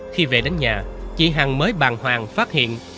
khi về đến nhà chị hằng mới bàng hoàng phát hiện